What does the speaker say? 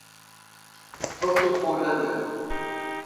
Votuporanga